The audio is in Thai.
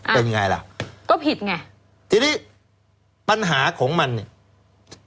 เป็นยังไงล่ะก็ผิดไงทีนี้ปัญหาของมันเนี่ย